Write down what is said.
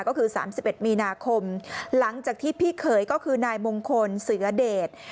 ก็คือ๓๑มีนาคมหลังจากที่พี่เขยก็คือนายมงคลเสือเดช